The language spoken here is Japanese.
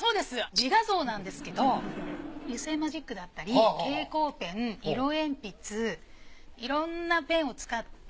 自画像なんですけど油性マジックだったり蛍光ペン色鉛筆いろんなペンを使って。